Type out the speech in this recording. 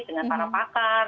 dengan para pakar